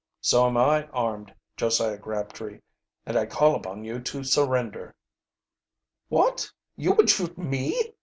"So am I armed, Josiah Crabtree. And I call upon you to surrender." "What, you would shoot me!"